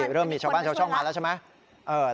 เริ่มมีชาวบ้านชาวช่องมาแล้วใช่ไหม